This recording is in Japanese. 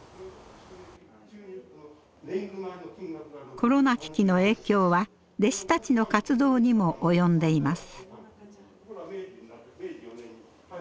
コロナ危機の影響は弟子たちの活動にも及んでいます。